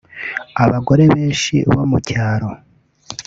Abagore benshi bo mu cyaro